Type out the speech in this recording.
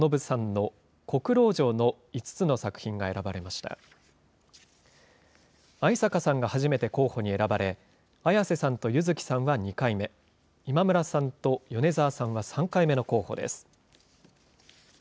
逢坂さんが初めて候補に選ばれ、彩瀬さんと柚月さんは２回目、今村さんと米澤さんは３回目の候補です。